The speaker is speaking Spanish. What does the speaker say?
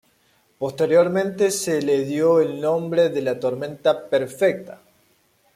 Posteriormente se le dio el nombre de "la tormenta perfecta".